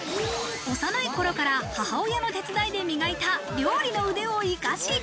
幼い頃から母親の手伝いで磨いた料理の腕を生かし。